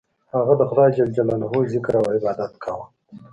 هغه د خدای ذکر او عبادت کاوه.